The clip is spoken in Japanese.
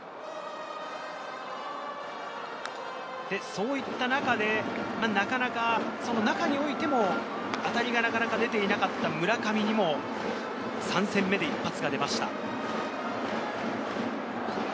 そういった中で、なかなか中においても当たりがなかなか出ていなかった村上にも、３戦目で一発が出ました。